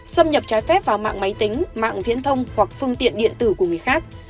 xâm nhập trái phép vào mạng máy tính mạng viễn thông hoặc phương tiện điện tử của người khác